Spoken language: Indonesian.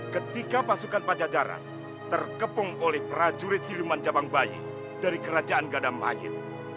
ketika pasukan pajajaran terkepung oleh prajurit siliwman jabangbayi dari kerajaan gadamahir